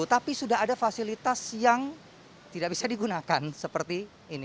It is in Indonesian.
tapi sudah ada fasilitas yang tidak bisa digunakan seperti ini